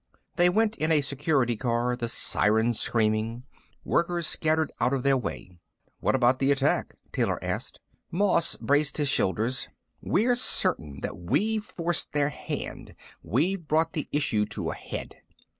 They went in a Security Car, the siren screaming. Workers scattered out of their way. "What about the attack?" Taylor asked. Moss braced his shoulders. "We're certain that we've forced their hand. We've brought the issue to a head."